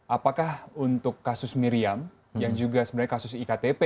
apakah untuk kasus miriam yang juga sebenarnya kasus iktp